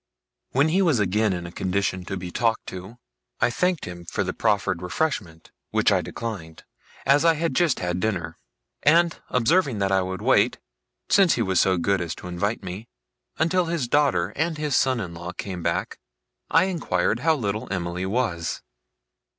When he was again in a condition to be talked to, I thanked him for the proffered refreshment, which I declined, as I had just had dinner; and, observing that I would wait, since he was so good as to invite me, until his daughter and his son in law came back, I inquired how little Emily was?